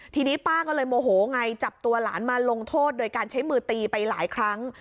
ทีนี้ป้าก็เลยโมโหไงจับตัวหลานมาลงโทษโดยการใช้มือตีไปหลายครั้ง